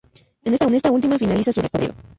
En esta última finaliza su recorrido.